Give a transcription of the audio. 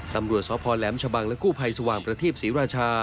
ตำรวจสะพานวงแหวนชะบังและคู่ภัยสว่างประทีปสีราชา